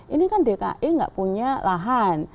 ini kan dki nggak punya lahan